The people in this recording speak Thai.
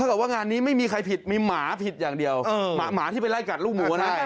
กับว่างานนี้ไม่มีใครผิดมีหมาผิดอย่างเดียวหมาที่ไปไล่กัดลูกหมูก็ได้